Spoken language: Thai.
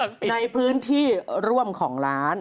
ในพื้นที่ร่วมของร้าน